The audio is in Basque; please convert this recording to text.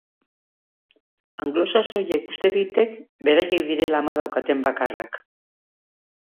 Anglosaxoiek uste ditek beraiek direla ama daukaten bakarrak.